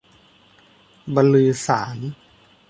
บันลือสาส์น